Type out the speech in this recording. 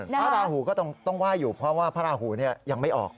ภราหูก็ต้องว่ายอยู่เพราะว่าภราหูนี่ยังไม่ออก